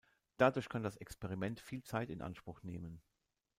Dadurch kann das Experiment viel Zeit in Anspruch nehmen.